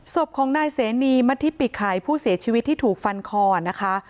ศพของนายเสนีมัธิปิไข่ผู้เสียชีวิตที่ถูกฟันคอนะคะ